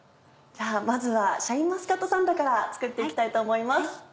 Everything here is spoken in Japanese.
じゃあまずはシャインマスカットサンドから作って行きたいと思います。